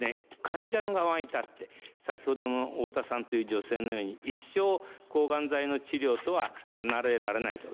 患者の側に立って先ほどの太田さんという女性のように一生抗がん剤の治療とは離れられないと。